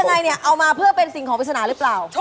ในรอบนี้ของโปรดสนามร้อน